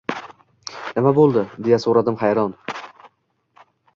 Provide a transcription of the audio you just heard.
«Nima bo’ldi?» — deya so’radim hayron.